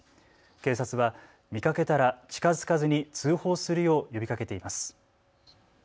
警察は見かけたら近づかずに通報するよう呼びかけています。